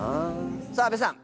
さぁ阿部さん。